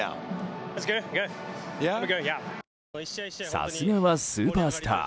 さすがはスーパースター。